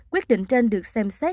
quyết định trên được xem xét